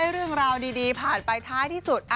เรื่องราวดีผ่านไปท้ายที่สุด